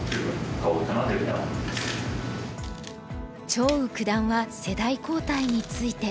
張栩九段は世代交代について。